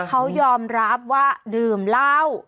เขายอมรับว่าดื่มเหล้า